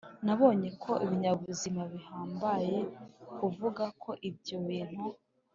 Nabonye ko ibinyabuzima bihambaye kuvuga ko ibyo bintu